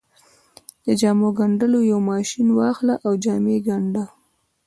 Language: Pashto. د جامو ګنډلو يو ماشين واخله او جامې ګنډه.